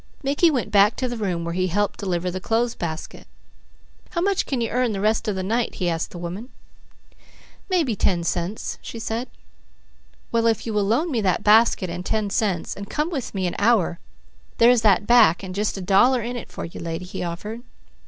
Mickey went back to the room where he helped deliver the clothes basket. "How much can you earn the rest of the night?" he asked the woman. "Mebby ten cents," she said. "Well, if you will loan me that basket and ten cents, and come with me an hour, there's that back and just a dollar in it for you, lady," he offered.